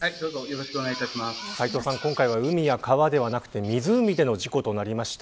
斎藤さん、今回は海や川ではなくて湖での事故となりました。